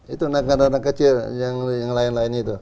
itu negara negara kecil yang lain lain itu